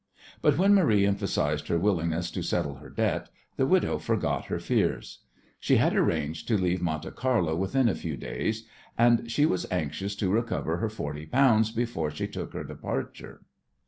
But when Marie emphasized her willingness to settle her debt the widow forgot her fears. She had arranged to leave Monte Carlo within a few days, and she was anxious to recover her forty pounds before she took her departure.